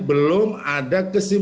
belum ada kekeluargaan